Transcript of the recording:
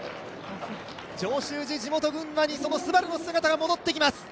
上州路、地元・群馬にＳＵＢＡＲＵの姿が戻ってきます。